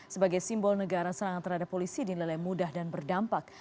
sebagai simbol negara serangan terhadap polisi dinilai mudah dan berdampak